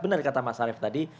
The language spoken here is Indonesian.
benar kata mas arief tadi